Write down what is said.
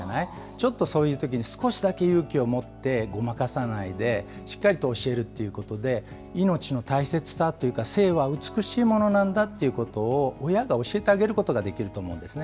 ちょっとそういうときに少しだけ勇気を持って、ごまかさないでしっかりと教えるということで、命の大切さっていうか、性は美しいものなんだということを、親が教えてあげることができると思うんですね。